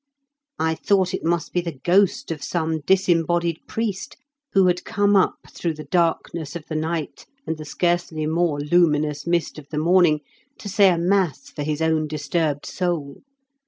I thought it must be the ghost of some disembodied priest, who had come up through the darkness of the night and the scarcely more luminous mist of the morning to say a mass for his own disturbed soul.